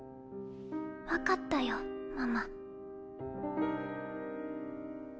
分かったよママ。